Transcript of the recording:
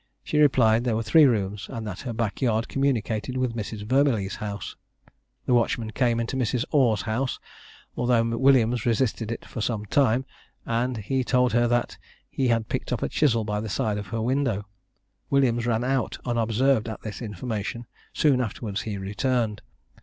She replied, there were three rooms, and that her back yard communicated with Mrs. Vermillee's house. The watchman came into Mrs. Orr's house, although Williams resisted it for some time, and he told her that he had picked up a chisel by the side of her window. Williams ran out unobserved at this information; soon afterwards he returned.